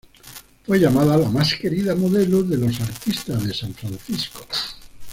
Fue llamada "la más querida modelo de los artistas de San Francisco.